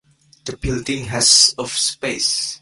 The building has of space.